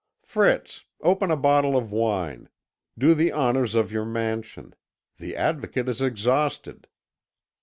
Fritz, open a bottle of wine; do the honours of your mansion. The Advocate is exhausted."